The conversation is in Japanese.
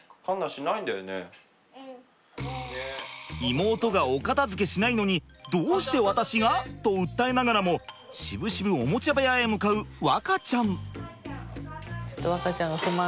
妹がお片づけしないのにどうして私が？と訴えながらもしぶしぶおもちゃ部屋へ向かう和花ちゃん。